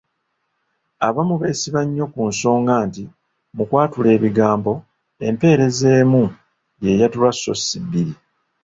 Abamu beesiba nnyo ku nsonga nti mu kwatula ebigambo, empeerezi emu y’eyatulwa so ssi bbiri.